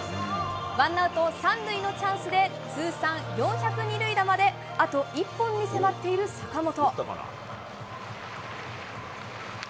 ワンアウト３塁のチャンスで通算４００二塁打まであと１本に迫っている坂本。